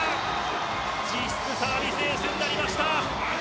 実質サービスエースになりました。